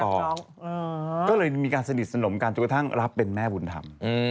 ก็เลยมีการสนิทสนมกันจนกระทั่งรับเป็นแม่บุญธรรม